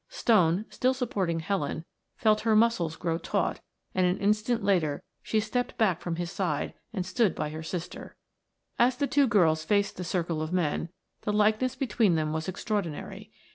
Stone, still supporting Helen, felt her muscles grow taut and an instant later she stepped back from his side and stood by her sister. As the two girls faced the circle of men, the likeness between them was extraordinary.